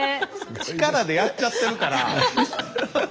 力でやっちゃってるから。